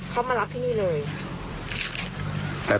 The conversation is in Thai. เขามารับที่นี่เลย